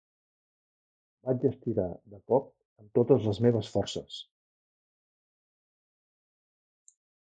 Vaig estirar, de cop, amb totes les meves forces.